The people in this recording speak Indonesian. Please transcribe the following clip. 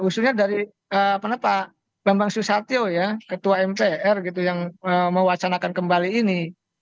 usulnya dari pak bambang susatyo ya ketua mpr gitu yang mewacanakan kembali ini